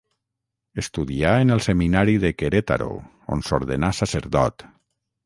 Estudià en el Seminari de Querétaro on s'ordenà sacerdot.